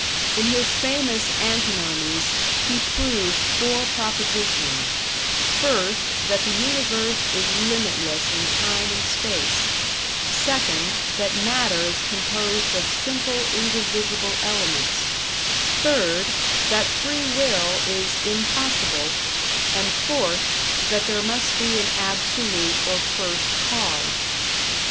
In his famous "antinomies", he proved four propositions: first, that the universe is limitless in time and space; second, that matter is composed of simple, indivisible elements; third, that free will is impossible; and fourth, that there must be an absolute or first cause.